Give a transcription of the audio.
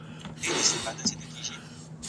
له ګاونډیانو سره ښه چلند وکړئ.